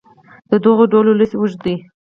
د دغو ډلو لست اوږد دی.